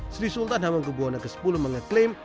sri sultan hamengke buwone x mengeklaim